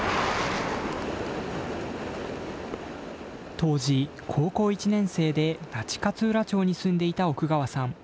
当時、高校１年生で那智勝浦町に住んでいた奥川さん。